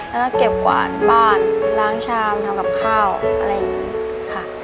แล้วก็เก็บกวาดบ้านล้างชามทำกับข้าวอะไรอย่างนี้ค่ะ